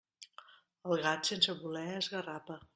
El gat, sense voler, esgarrapa.